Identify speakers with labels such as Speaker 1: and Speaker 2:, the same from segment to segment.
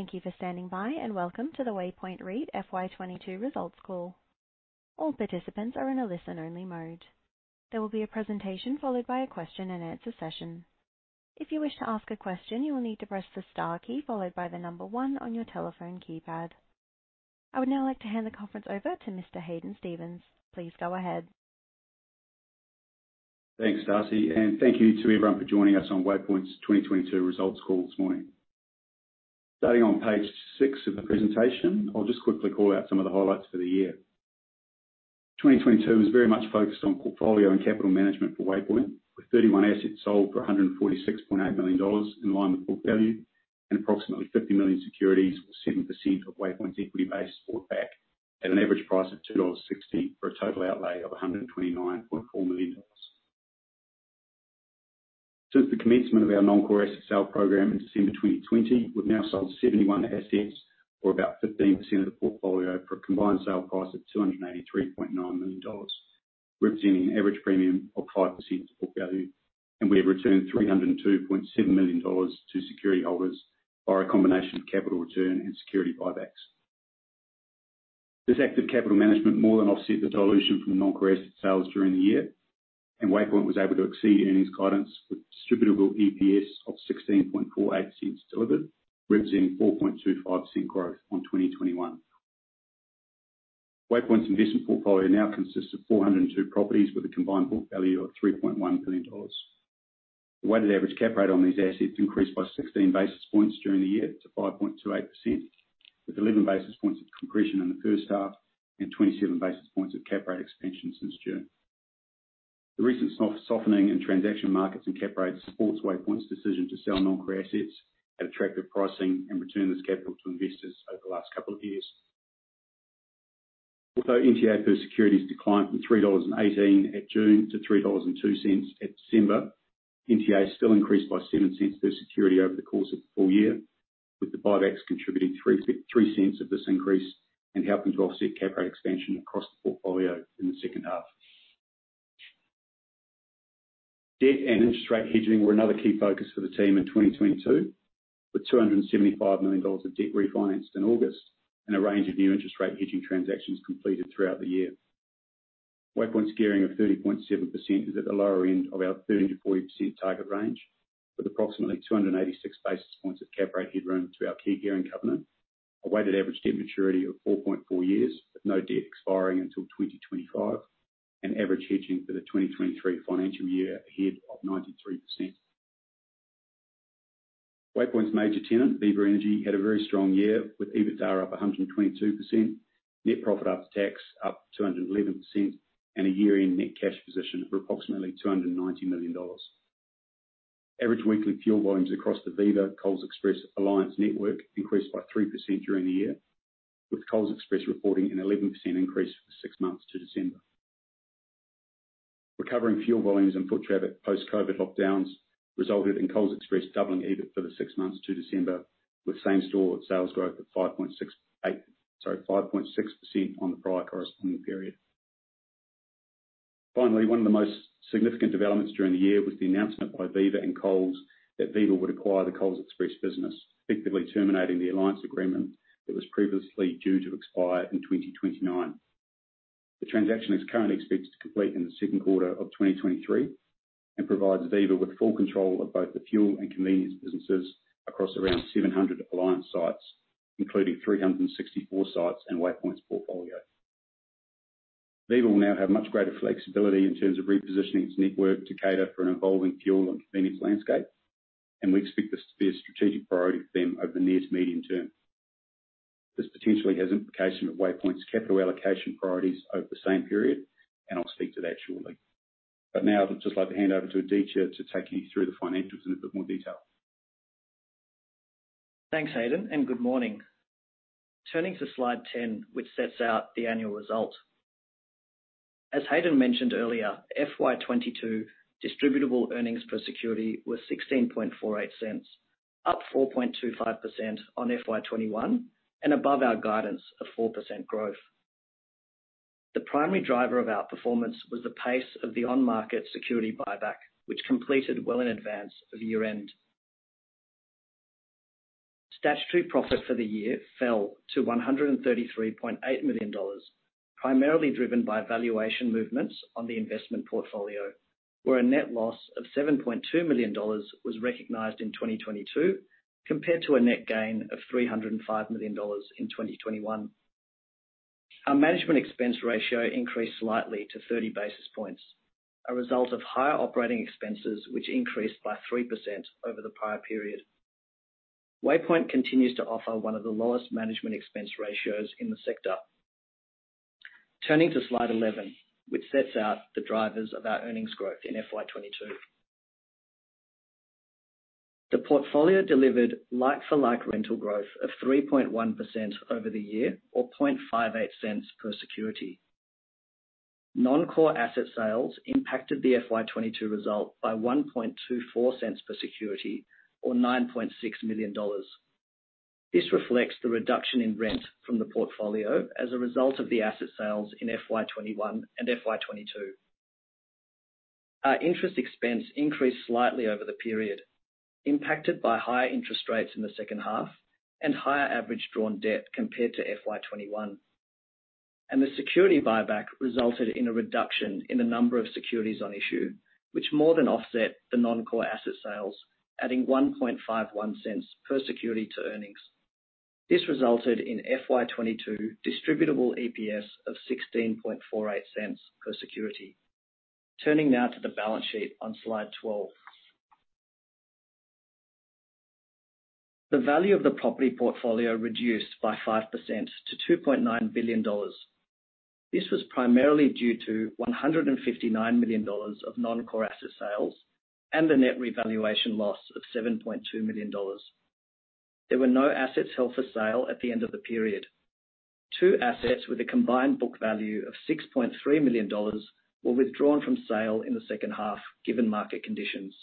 Speaker 1: Thank you for standing by. Welcome to the Waypoint REIT FY 2022 results call. All participants are in a listen-only mode. There will be a presentation followed by a question-and-answer session. If you wish to ask a question, you will need to press the star key followed by the number one on your telephone keypad. I would now like to hand the conference over to Mr. Hadyn Stephens. Please go ahead.
Speaker 2: Thanks, Darcy. Thank you to everyone for joining us on Waypoint's 2022 results call this morning. Starting on page 6 of the presentation, I'll just quickly call out some of the highlights for the year. 2022 was very much focused on portfolio and capital management for Waypoint, with 31 assets sold for 146.8 million dollars in line with book value and approximately 50 million securities, or 7% of Waypoint's equity base, bought back at an average price of 2.60 dollars for a total outlay of 129.4 million dollars. Since the commencement of our non-core asset sale program in December 2020, we've now sold 71 assets, or about 15% of the portfolio, for a combined sale price of 283.9 million dollars, representing an average premium of 5% of book value, and we have returned 302.7 million dollars to security holders via a combination of capital return and security buybacks. This active capital management more than offset the dilution from the non-core asset sales during the year, and Waypoint was able to exceed earnings guidance with distributable EPS of 0.1648 delivered, representing 0.0425 growth on 2021. Waypoint's investment portfolio now consists of 402 properties with a combined book value of 3.1 billion dollars. The weighted average cap rate on these assets increased by 16 basis points during the year to 5.28%, with 11 basis points of compression in the first half and 27 basis points of cap rate expansion since June. The recent softening in transaction markets and cap rates supports Waypoint's decision to sell non-core assets at attractive pricing and return this capital to investors over the last couple of years. Although NTA per security has declined from 3.18 dollars at June to 3.02 dollars at December, NTA still increased by 0.07 per security over the course of the full year, with the buybacks contributing 0.03 of this increase and helping to offset cap rate expansion across the portfolio in the second half. Debt and interest rate hedging were another key focus for the team in 2022, with 275 million dollars of debt refinanced in August and a range of new interest rate hedging transactions completed throughout the year. Waypoint's gearing of 30.7% is at the lower end of our 30%-40% target range, with approximately 286 basis points of cap rate headroom to our key gearing covenant, a weighted average debt maturity of 4.4 years with no debt expiring until 2025, and average hedging for the 2023 financial year ahead of 93%. Waypoint's major tenant, Viva Energy, had a very strong year with EBITDA up 122%, net profit after tax up 211%, and a year-end net cash position of approximately 290 million dollars. Average weekly fuel volumes across the Viva-Coles Express alliance network increased by 3% during the year, with Coles Express reporting an 11% increase for the six months to December. Recovering fuel volumes and foot traffic post-COVID lockdowns resulted in Coles Express doubling EBIT for the six months to December, with same-store sales growth of 5.6% on the prior corresponding period. One of the most significant developments during the year was the announcement by Viva and Coles that Viva would acquire the Coles Express business, effectively terminating the alliance agreement that was previously due to expire in 2029. The transaction is currently expected to complete in the second quarter of 2023 and provides Viva with full control of both the fuel and convenience businesses across around 700 alliance sites, including 364 sites in Waypoint's portfolio. Viva will now have much greater flexibility in terms of repositioning its network to cater for an evolving fuel and convenience landscape, and we expect this to be a strategic priority for them over the near to medium term. This potentially has implications for Waypoint's capital allocation priorities over the same period, and I'll speak to that shortly. Now I'd just like to hand over to Aditya to take you through the financials in a bit more detail.
Speaker 3: Thanks, Hadyn, good morning. Turning to slide 10, which sets out the annual result. As Hadyn mentioned earlier, FY 2022 Distributable Earnings per security was 0.1648, up 4.25% on FY 2021 and above our guidance of 4% growth. The primary driver of our performance was the pace of the on-market security buyback, which completed well in advance of year-end. Statutory profit for the year fell to 133.8 million dollars, primarily driven by valuation movements on the investment portfolio, where a net loss of 7.2 million dollars was recognized in 2022 compared to a net gain of 305 million dollars in 2021. Our management expense ratio increased slightly to 30 basis points, a result of higher operating expenses, which increased by 3% over the prior period. Waypoint continues to offer one of the lowest management expense ratios in the sector. Turning to slide 11, which sets out the drivers of our earnings growth in FY 2022. The portfolio delivered like-for-like rental growth of 3.1% over the year or 0.0058 per security. Non-core asset sales impacted the FY 2022 result by 0.0124 per security or 9.6 million dollars. This reflects the reduction in rent from the portfolio as a result of the asset sales in FY 2021 and FY 2022. Our interest expense increased slightly over the period, impacted by higher interest rates in the second half and higher average drawn debt compared to FY 2021. The security buyback resulted in a reduction in the number of securities on issue, which more than offset the non-core asset sales, adding 0.0151 per security to earnings. This resulted in FY 2022 Distributable EPS of 0.1648 per security. Turning now to the balance sheet on slide 12. The value of the property portfolio reduced by 5% to 2.9 billion dollars. This was primarily due to 159 million dollars of non-core asset sales and a net revaluation loss of 7.2 million dollars. There were no assets held for sale at the end of the period. Two assets with a combined book value of 6.3 million dollars were withdrawn from sale in the second half, given market conditions.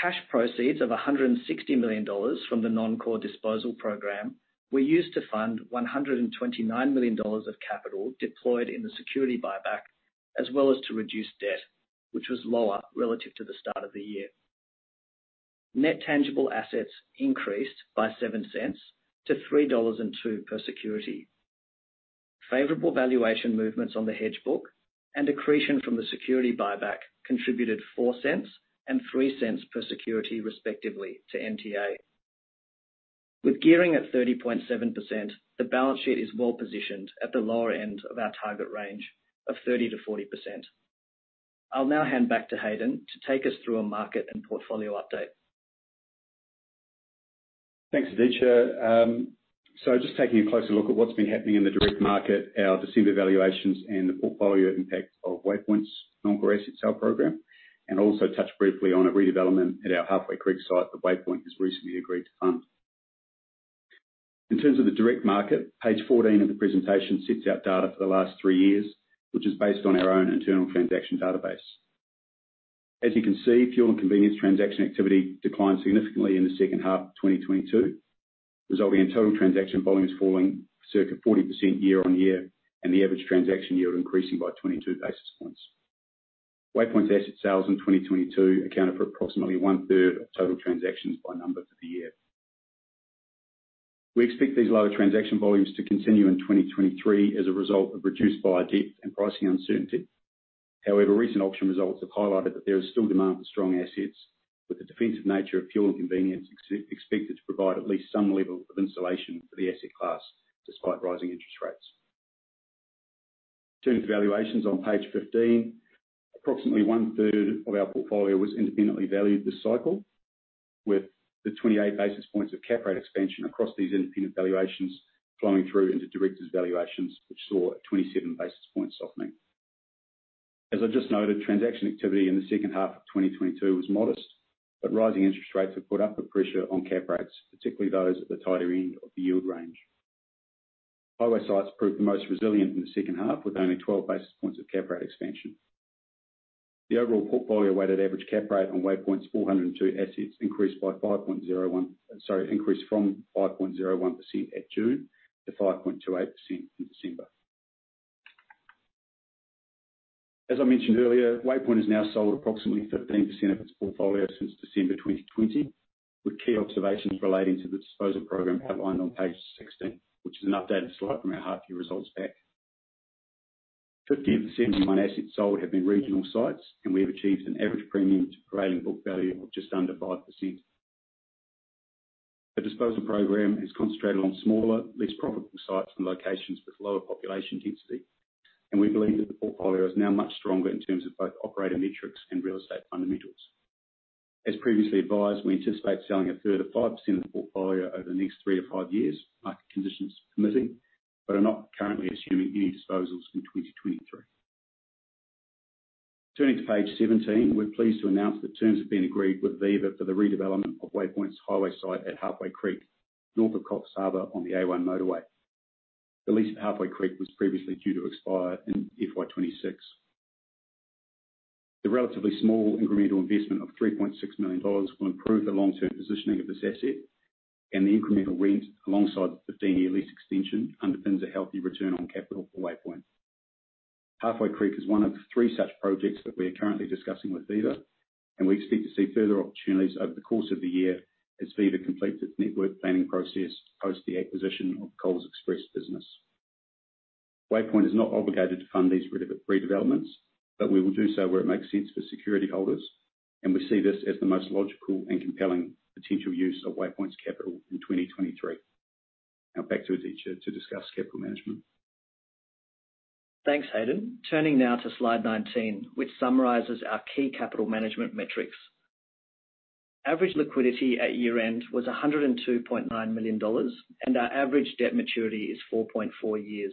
Speaker 3: Cash proceeds of 160 million dollars from the non-core disposal program were used to fund 129 million dollars of capital deployed in the security buyback, as well as to reduce debt, which was lower relative to the start of the year. Net tangible assets increased by 0.07 to 3.02 dollars per security. Favorable valuation movements on the hedge book and accretion from the security buyback contributed 0.04 and 0.03 per security, respectively, to NTA. With gearing at 30.7%, the balance sheet is well positioned at the lower end of our target range of 30%-40%. I'll now hand back to Hadyn to take us through a market and portfolio update.
Speaker 2: Thanks, Aditya. Just taking a closer look at what's been happening in the direct market, our December valuations, and the portfolio impact of Waypoint's non-core asset sale program, and also touch briefly on a redevelopment at our Halfway Creek site that Waypoint has recently agreed to fund. In terms of the direct market, page 14 of the presentation sets out data for the last three years, which is based on our own internal transaction database. As you can see, fuel and convenience transaction activity declined significantly in the second half of 2022, resulting in total transaction volumes falling circa 40% year-over-year, and the average transaction yield increasing by 22 basis points. Waypoint's asset sales in 2022 accounted for approximately 1/3 of total transactions by number for the year. We expect these lower transaction volumes to continue in 2023 as a result of reduced buyer depth and pricing uncertainty. Recent auction results have highlighted that there is still demand for strong assets, with the defensive nature of fuel and convenience expected to provide at least some level of insulation for the asset class despite rising interest rates. Turning to valuations on page 15. Approximately one-third of our portfolio was independently valued this cycle, with the 28 basis points of cap rate expansion across these independent valuations flowing through into directors' valuations, which saw a 27 basis point softening. As I just noted, transaction activity in the second half of 2022 was modest, but rising interest rates have put upward pressure on cap rates, particularly those at the tighter end of the yield range. Highway sites proved the most resilient in the second half, with only 12 basis points of cap rate expansion. The overall portfolio weighted average cap rate on Waypoint's 402 assets increased from 5.01% at June to 5.28% in December. As I mentioned earlier, Waypoint has now sold approximately 15% of its portfolio since December 2020, with key observations relating to the disposal program outlined on page 16, which is an updated slide from our half year results deck. 15% of my assets sold have been regional sites, and we have achieved an average premium to parading book value of just under 5%. The disposal program is concentrated on smaller, less profitable sites and locations with lower population density, and we believe that the portfolio is now much stronger in terms of both operating metrics and real estate fundamentals. As previously advised, we anticipate selling a third to 5% of the portfolio over the next three-five years, market conditions permitting, but are not currently assuming any disposals in 2023. Turning to page 17. We're pleased to announce that terms have been agreed with Viva for the redevelopment of Waypoint's highway site at Halfway Creek, north of Coffs Harbour on the A1 motorway. The lease at Halfway Creek was previously due to expire in FY 2026. The relatively small incremental investment of 3.6 million dollars will improve the long-term positioning of this asset. The incremental rent, alongside the 15-year lease extension, underpins a healthy return on capital for Waypoint. Halfway Creek is one of three such projects that we are currently discussing with Viva. We expect to see further opportunities over the course of the year as Viva completes its network planning process post the acquisition of Coles Express business. Waypoint is not obligated to fund these redevelopments. We will do so where it makes sense for security holders. We see this as the most logical and compelling potential use of Waypoint's capital in 2023. Back to Aditya to discuss capital management.
Speaker 3: Thanks, Hadyn. Turning now to slide 19, which summarizes our key capital management metrics. Average liquidity at year-end was 102.9 million dollars, and our average debt maturity is 4.4 years.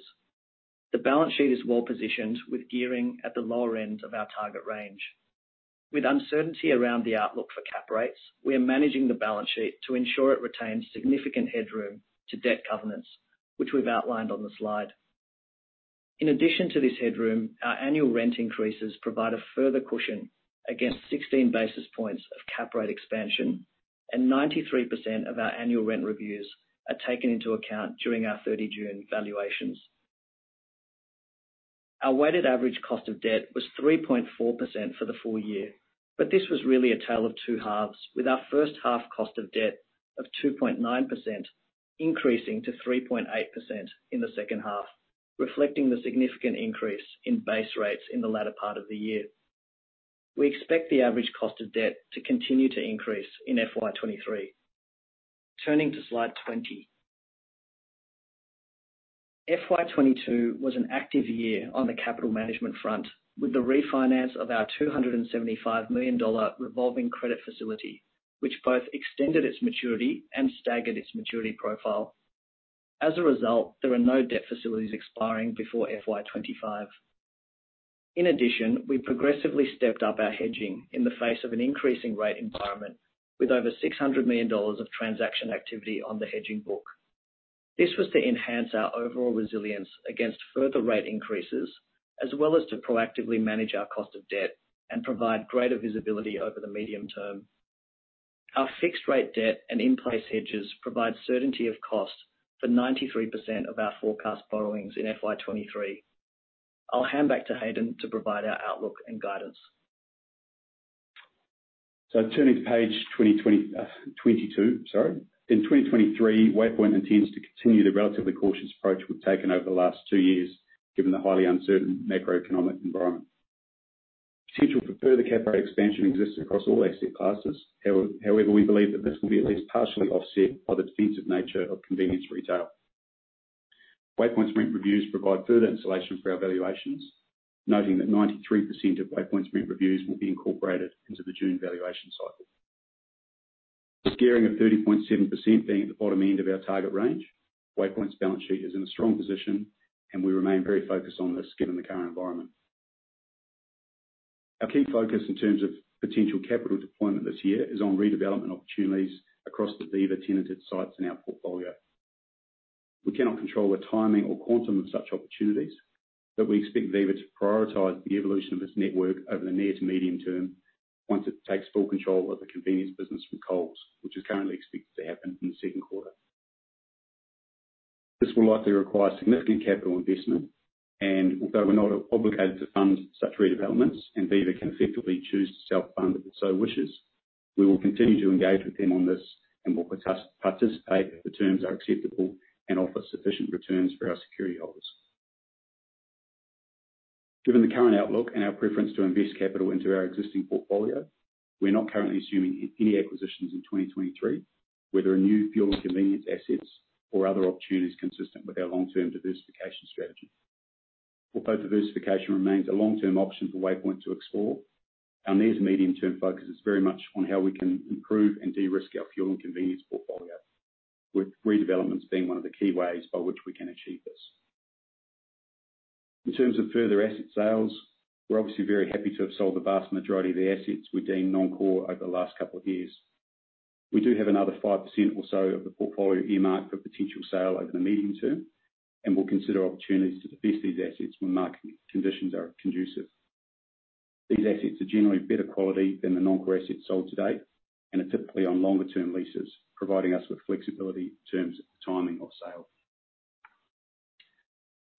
Speaker 3: The balance sheet is well positioned, with gearing at the lower end of our target range. With uncertainty around the outlook for cap rates, we are managing the balance sheet to ensure it retains significant headroom to debt governance, which we've outlined on the slide. In addition to this headroom, our annual rent increases provide a further cushion against 16 basis points of cap rate expansion. Ninety-three percent of our annual rent reviews are taken into account during our 30 June valuations. Our weighted average cost of debt was 3.4% for the full year, but this was really a tale of two halves, with our first half cost of debt of 2.9% increasing to 3.8% in the second half, reflecting the significant increase in base rates in the latter part of the year. We expect the average cost of debt to continue to increase in FY 2023. Turning to slide 20. FY 2022 was an active year on the capital management front, with the refinance of our 275 million dollar revolving credit facility, which both extended its maturity and staggered its maturity profile. As a result, there are no debt facilities expiring before FY 2025. In addition, we progressively stepped up our hedging in the face of an increasing rate environment with over 600 million dollars of transaction activity on the hedging book. This was to enhance our overall resilience against further rate increases, as well as to proactively manage our cost of debt and provide greater visibility over the medium term. Our fixed rate debt and in-place hedges provide certainty of cost for 93% of our forecast borrowings in FY 2023. I'll hand back to Hadyn to provide our outlook and guidance.
Speaker 2: Turning to page 22, sorry. In 2023, Waypoint intends to continue the relatively cautious approach we've taken over the last two years, given the highly uncertain macroeconomic environment. Potential for further cap rate expansion exists across all asset classes. However, we believe that this will be at least partially offset by the defensive nature of convenience retail. Waypoint's rent reviews provide further insulation for our valuations, noting that 93% of Waypoint's rent reviews will be incorporated into the June valuation cycle. Gearing of 30.7% being at the bottom end of our target range, Waypoint's balance sheet is in a strong position and we remain very focused on this given the current environment. Our key focus in terms of potential capital deployment this year is on redevelopment opportunities across the Viva tenanted sites in our portfolio. We cannot control the timing or quantum of such opportunities. We expect Viva to prioritize the evolution of its network over the near to medium term once it takes full control of the convenience business from Coles, which is currently expected to happen in the second quarter. This will likely require significant capital investment and although we're not obligated to fund such redevelopments, and Viva can effectively choose to self-fund if it so wishes, we will continue to engage with them on this and will participate if the terms are acceptable and offer sufficient returns for our security holders. Given the current outlook and our preference to invest capital into our existing portfolio, we're not currently assuming any acquisitions in 2023, whether a new fuel and convenience assets or other opportunities consistent with our long-term diversification strategy. Although diversification remains a long-term option for Waypoint to explore, our near to medium term focus is very much on how we can improve and de-risk our fuel and convenience portfolio, with redevelopments being one of the key ways by which we can achieve this. In terms of further asset sales, we're obviously very happy to have sold the vast majority of the assets we deemed non-core over the last couple of years. We do have another 5% or so of the portfolio earmarked for potential sale over the medium term, and we'll consider opportunities to divest these assets when market conditions are conducive. These assets are generally better quality than the non-core assets sold to date, and are typically on longer term leases, providing us with flexibility in terms of timing of sale.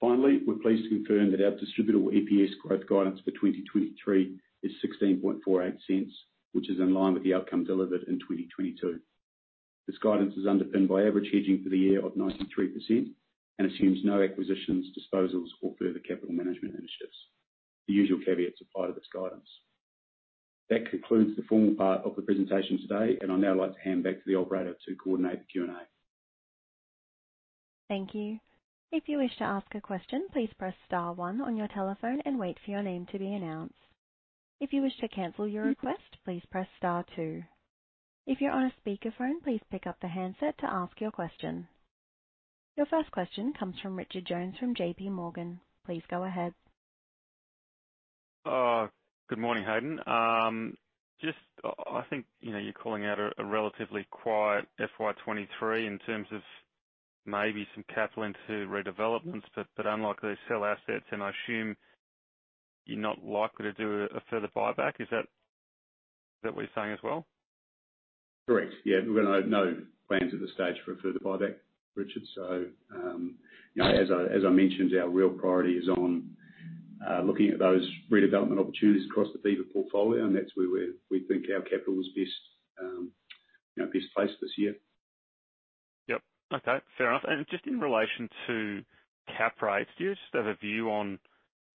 Speaker 2: We're pleased to confirm that our distributable EPS growth guidance for 2023 is 0.1648, which is in line with the outcome delivered in 2022. This guidance is underpinned by average hedging for the year of 93% and assumes no acquisitions, disposals or further capital management initiatives. The usual caveats apply to this guidance. That concludes the formal part of the presentation today. I'd now like to hand back to the operator to coordinate the Q&A.
Speaker 1: Thank you. If you wish to ask a question, please press star one on your telephone and wait for your name to be announced. If you wish to cancel your request, please press star two. If you're on a speakerphone, please pick up the handset to ask your question. Your first question comes from Richard Jones from JP Morgan. Please go ahead.
Speaker 4: Good morning, Hadyn. Just I think, you know, you're calling out a relatively quiet FY 2023 in terms of maybe some capital into redevelopments, but unlikely to sell assets, and I assume you're not likely to do a further buyback. Is that what you're saying as well?
Speaker 2: Correct. Yeah. We've got no plans at this stage for a further buyback, Richard. You know, as I mentioned, our real priority is on looking at those redevelopment opportunities across the Viva portfolio, and that's where we think our capital is best, you know, best placed this year.
Speaker 4: Yep. Okay, fair enough. Just in relation to cap rates, do you just have a view on,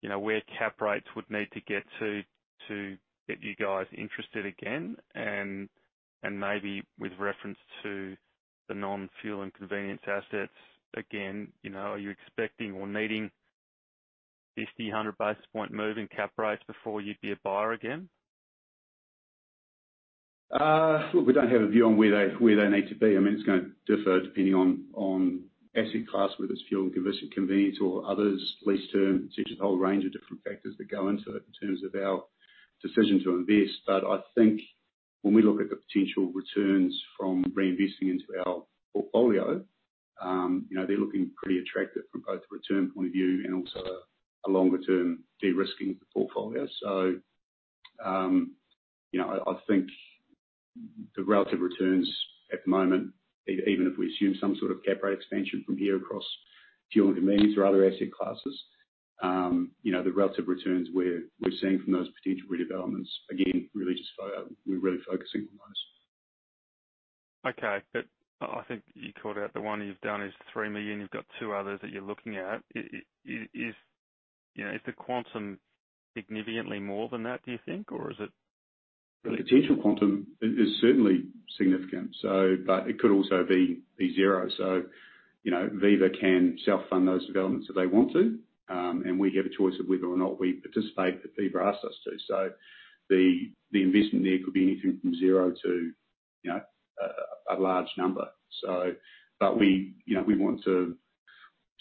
Speaker 4: you know, where cap rates would need to get to to get you guys interested again? Maybe with reference to the non-fuel and convenience assets, again, you know, are you expecting or needing 50, 100 basis point move in cap rates before you'd be a buyer again?
Speaker 2: Look, we don't have a view on where they need to be. I mean, it's gonna differ depending on asset class, whether it's fuel and convenience or others, lease terms. It's just a whole range of different factors that go into it in terms of our decision to invest. I think when we look at the potential returns from reinvesting into our portfolio, you know, they're looking pretty attractive from both a return point of view and also a longer-term de-risking of the portfolio. You know, I think the relative returns at the moment, even if we assume some sort of cap rate expansion from here across fuel and convenience or other asset classes, you know, the relative returns we're seeing from those potential redevelopments, again, really just we're really focusing on those.
Speaker 4: Okay. I think you called out the one you've done is 3 million. You've got two others that you're looking at. Is, you know, is the quantum significantly more than that, do you think?
Speaker 2: The potential quantum is certainly significant, but it could also be zero. You know, Viva can self-fund those developments if they want to. We have a choice of whether or not we participate, if Viva asks us to. The investment there could be anything from zero to, you know, a large number. But we, you know, we want to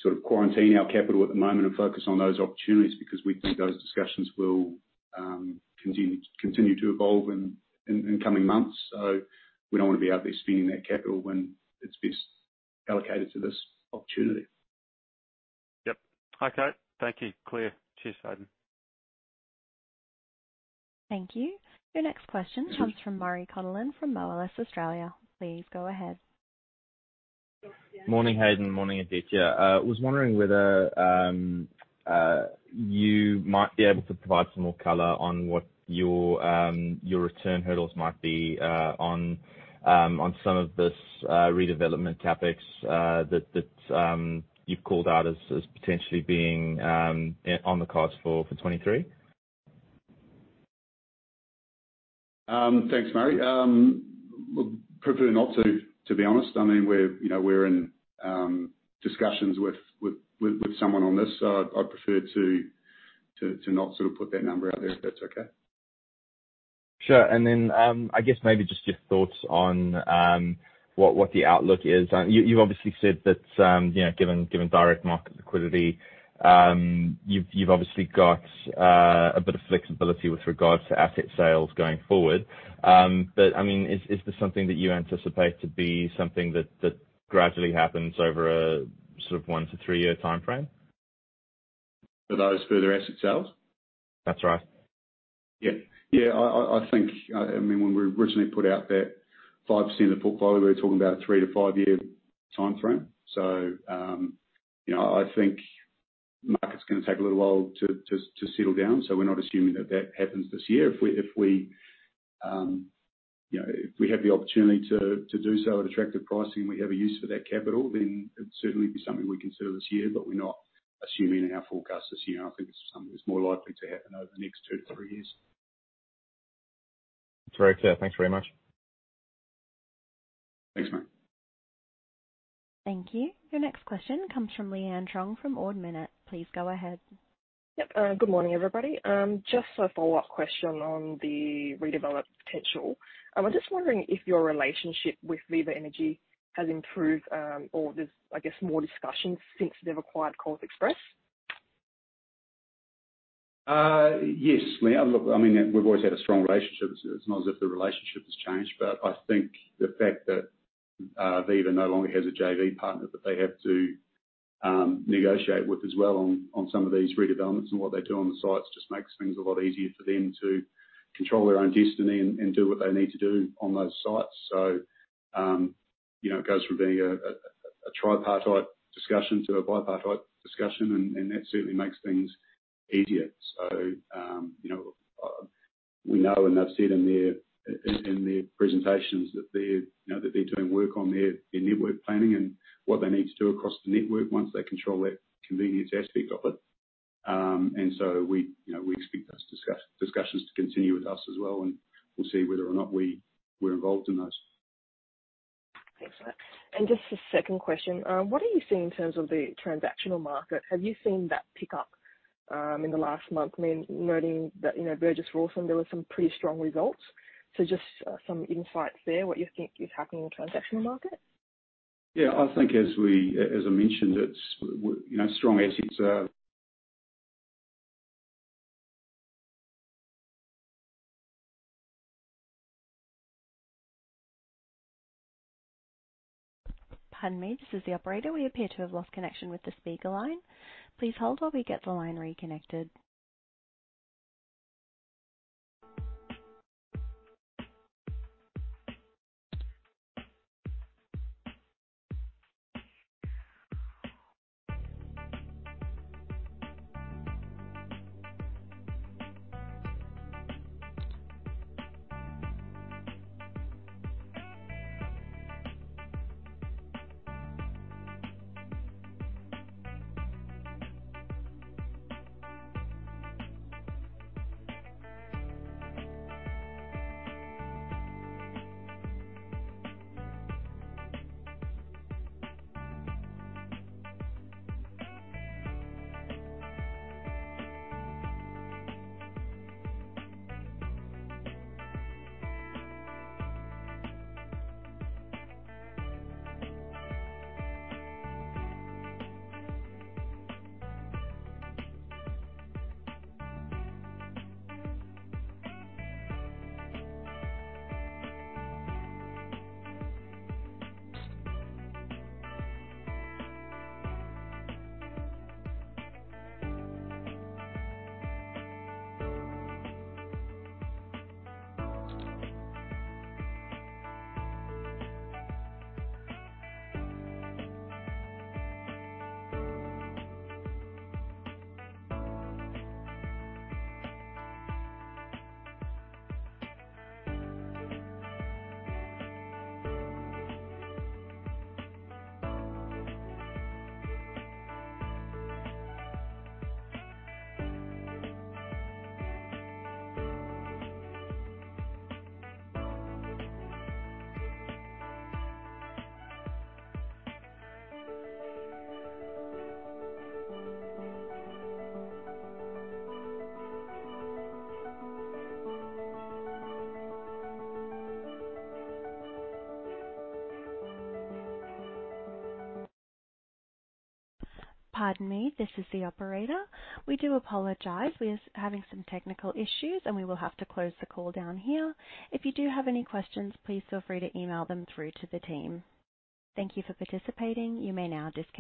Speaker 2: sort of quarantine our capital at the moment and focus on those opportunities because we think those discussions will continue to evolve in coming months. We don't wanna be out there spending that capital when it's best allocated to this opportunity.
Speaker 4: Yep. Okay. Thank you. Clear. Cheers, Hadyn.
Speaker 1: Thank you. Your next question comes from Murray Coplin from Moelis Australia. Please go ahead.
Speaker 5: Morning, Hadyn. Morning, Aditya. was wondering whether you might be able to provide some more color on what your return hurdles might be on some of this redevelopment CapEx that you've called out as potentially being on the cards for 2023?
Speaker 2: Thanks, Murray. Well, prefer not to be honest. I mean, we're, you know, we're in discussions with someone on this. I'd prefer to not sort of put that number out there, if that's okay.
Speaker 5: Sure. I guess maybe just your thoughts on what the outlook is. You've obviously said that, you know, given direct market liquidity, you've obviously got a bit of flexibility with regards to asset sales going forward. I mean, is this something that you anticipate to be something that gradually happens over a sort of one-three year timeframe?
Speaker 2: For those further asset sales?
Speaker 5: That's right.
Speaker 2: Yeah. Yeah. I think, I mean, when we originally put out that 5% of the portfolio, we were talking about a three-five year timeframe. You know, I think market's gonna take a little while to settle down. We're not assuming that that happens this year. If we, you know, if we have the opportunity to do so at attractive pricing and we have a use for that capital, then it'd certainly be something we consider this year. We're not assuming in our forecast this year. I think it's something that's more likely to happen over the next two-three years.
Speaker 5: Very clear. Thanks very much.
Speaker 2: Thanks, Murray.
Speaker 1: Thank you. Your next question comes from Leanne Truong from Ord Minnett. Please go ahead.
Speaker 6: Yep. Good morning, everybody. Just a follow-up question on the redevelop potential. I was just wondering if your relationship with Viva Energy has improved, or there's, I guess, more discussions since they've acquired Coles Express?
Speaker 2: Yes, Leanne. Look, I mean, we've always had a strong relationship. It's not as if the relationship has changed, but I think the fact that Viva no longer has a JV partner that they have to negotiate with as well on some of these redevelopments and what they do on the sites just makes things a lot easier for them to control their own destiny and do what they need to do on those sites. You know, it goes from being a tripartite discussion to a bipartite discussion and that certainly makes things easier. You know, we know and they've said in their presentations that they're, you know, that they're doing work on their network planning and what they need to do across the network once they control that convenience aspect of it. We, you know, we expect those discussions to continue with us as well, and we'll see whether or not we're involved in those.
Speaker 6: Thanks for that. Just a second question. What are you seeing in terms of the transactional market? Have you seen that pick up in the last month? I mean, noting that, you know, Burgess Rawson, there were some pretty strong results. Just some insights there, what you think is happening in the transactional market.
Speaker 2: Yeah, I think as we, as I mentioned, it's you know, strong assets.
Speaker 1: Pardon me. This is the operator. We appear to have lost connection with the speaker line. Please hold while we get the line reconnected. Pardon me. This is the operator. We do apologize. We are having some technical issues, and we will have to close the call down here. If you do have any questions, please feel free to email them through to the team. Thank you for participating. You may now disconnect.